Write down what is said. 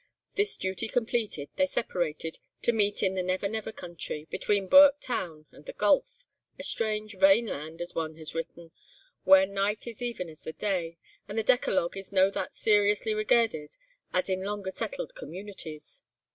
This duty completed, they separated, to meet in the 'Never Never Country,' between Burke Town and 'The Gulf,' a 'strange, vain land' (as one has written) where 'night is even as the day,' and the decalogue is no that sariously regairded, as in longer settled communities.